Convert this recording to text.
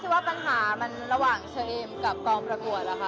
ว่าปัญหามันระหว่างเชอเอมกับกองประกวดล่ะค่ะ